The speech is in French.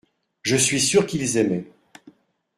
Je suis sûr qu’ils aimaient.